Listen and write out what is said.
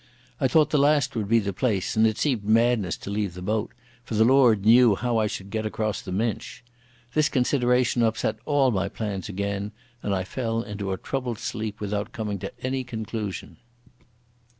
I thought the last would be the place, and it seemed madness to leave the boat, for the Lord knew how I should get across the Minch. This consideration upset all my plans again, and I fell into a troubled sleep without coming to any conclusion.